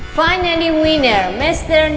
akhirnya menang nino dan reina putri alfahri